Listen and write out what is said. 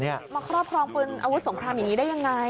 มาครอบครองปืนอาวุธสงครามอย่างนี้ได้ยังไง